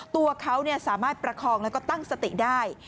ตัวเขาสามารถประคองแล้วก็ตั้งสติได้